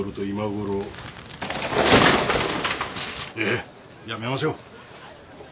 いややめましょう。